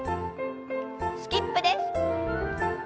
スキップです。